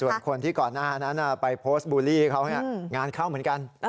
ส่วนคนที่ก่อนหน้านั้นไปโพสต์บูลลี่เขางานเข้าเหมือนกัน